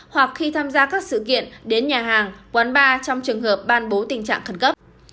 hoặc khi tham gia các sự kiện đến nhà hàng quán bar trong trường hợp ban bố tình trạng khẩn cấp